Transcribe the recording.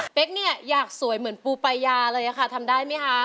เฮ้ยเป๊ยกนี่อยากสวยเหมือนปูปายาเลยอะคะทำได้ไหมคะ